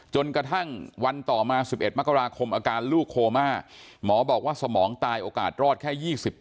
จนกระทั่งวันต่อมา๑๑มกราคมอาการลูกโคม่าหมอบอกว่าสมองตายโอกาสรอดแค่๒๐